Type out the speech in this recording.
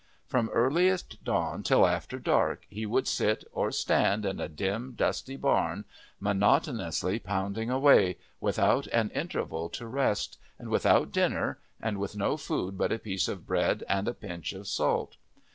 From earliest dawn till after dark he would sit or stand in a dim, dusty barn, monotonously pounding away, without an interval to rest, and without dinner, and with no food but a piece of bread and a pinch of salt.